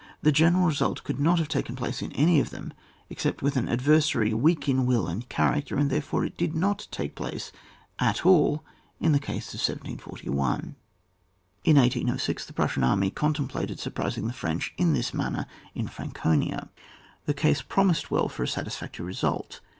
The general result could not have taken place in any of them except with an adversary weak in will and character, and therefore it did not take place at all in the case of 1741. In 1806 the Prussian army contem plated surprising the French in this manner in Franconia. The case promised well for a satisfactory result.